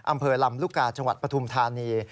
อำเภอลำลูกกาจังหวัดปฐุมธานี